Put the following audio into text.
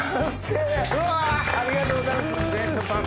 ありがとうございます膳所さん。